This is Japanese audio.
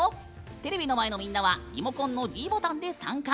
テレビの前のみんなはリモコンのｄボタンで参加。